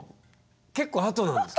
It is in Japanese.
結構あとなんですか？